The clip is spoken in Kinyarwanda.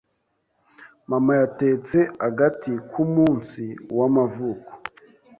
Mama yatetse agati kumunsi w'amavuko.